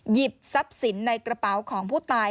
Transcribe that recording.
หยิบทรัพย์สินในกระเป๋าของผู้ตาย